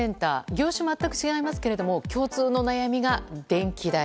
業種全く違いますけど共通の悩みが電気代。